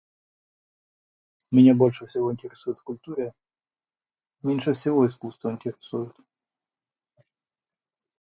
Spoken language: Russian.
Меня больше интересует в культуре… меньше всего искусство интересует.